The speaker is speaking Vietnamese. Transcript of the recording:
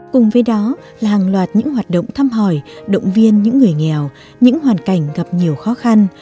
cùng với đó là hàng loạt những hoạt động thăm hỏi động viên những người nghèo những hoàn cảnh gặp nhiều khó khăn